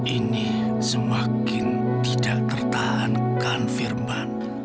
ini semakin tidak tertahankan firman